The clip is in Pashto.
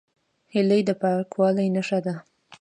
هیلۍ د پاکوالي نښه ده